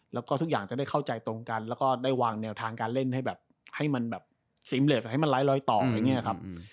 แล้วก็ทุกอย่างจะได้เข้าใจตรงกันแล้วก็ได้วางแนวทางการเล่นให้แบบให้มันแบบซิมเลสให้มันไร้รอยต่ออะไรอย่างนี้ครับ